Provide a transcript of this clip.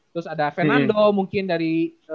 terus ada fernando mungkin dari